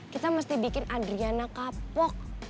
kita mesti bikin adriana kapok